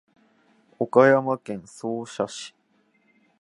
岡山県総社市